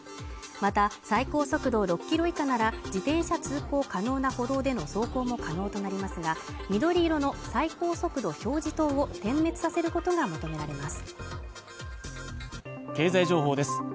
また、最高速度６キロ以下なら自転車通行可能な歩道での走行も可能となりますが緑色の最高速度表示灯を点滅させることが求められます。